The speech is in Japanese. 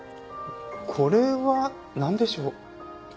これはなんでしょう？